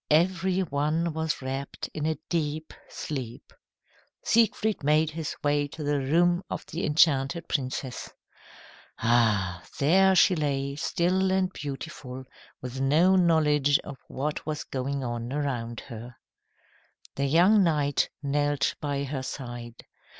Every one was wrapped in a deep sleep. Siegfried made his way to the room of the enchanted princess. Ah! there she lay, still and beautiful, with no knowledge of what was going on around her. The young knight knelt by her side.